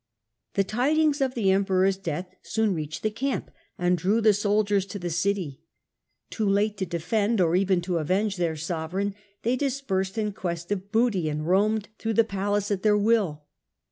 The tidings of the Emperors death soon reached the camp, and drew the soldiers to the city. Too late to defend or even to avenge their sovereign, they dispersed in quest of booty, and roamed But the sol through the palace at their will.